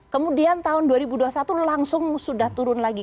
kemudian tahun dua ribu dua puluh satu langsung sudah turun lagi